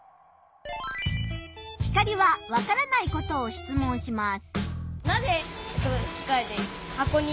ヒカリはわからないことを質問します。